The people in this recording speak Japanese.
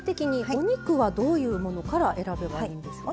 お肉はどういうものから選べばいいんでしょうか？